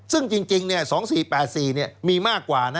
ซึ่งจริง๒๔๘๔มีมากกว่านะ